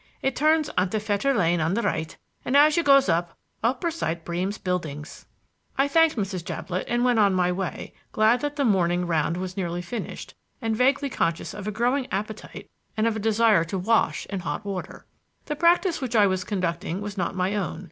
It turns out on Fetter Lane on the right 'and as you goes up, oppersight Bream's Buildings." I thanked Mrs. Jablett and went on my way, glad that the morning round was nearly finished, and vaguely conscious of a growing appetite and of a desire to wash in hot water. The practice which I was conducting was not my own.